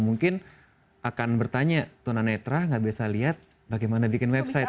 mungkin akan bertanya tuna netra nggak bisa lihat bagaimana bikin website